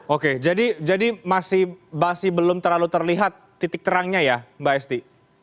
oke jadi masih belum terlalu terlihat titik terangnya ya mbak esti